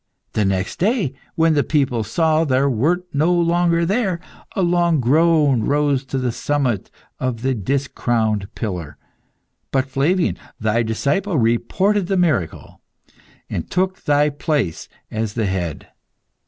The next day, when the people saw thou wert no longer there, a long groan rose to the summit of the discrowned pillar. But Flavian, thy disciple, reported the miracle, and took thy place as the head.